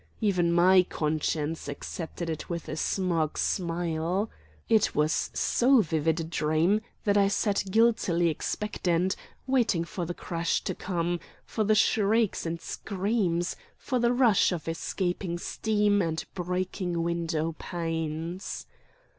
Even MY conscience accepted it with a smug smile. It was so vivid a dream that I sat guiltily expectant, waiting for the crash to come, for the shrieks and screams, for the rush of escaping steam and breaking window panes.